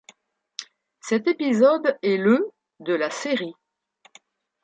Cet épisode est le de la série.